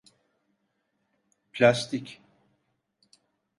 Plastik…